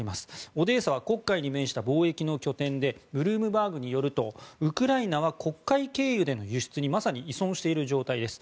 オデーサは黒海に面した貿易の拠点でブルームバーグによるとウクライナは黒海経由での輸出にまさに依存している状態です。